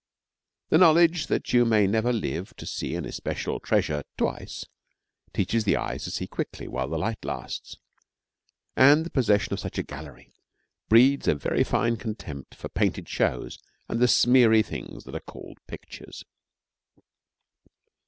The knowledge that you may never live to see an especial treasure twice teaches the eyes to see quickly while the light lasts; and the possession of such a gallery breeds a very fine contempt for painted shows and the smeary things that are called pictures.